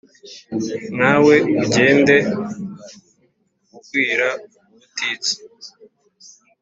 kwawe ugende ugwira ubutitsa.”